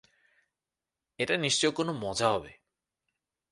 এটা নিশ্চয়ই কোনো মজা হবে!